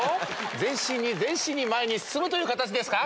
前進に前進に前に進むという形ですか。